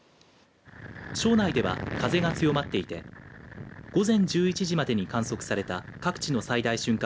庄内では、風が強まっていて午前１１時までに観測された各地の最大瞬間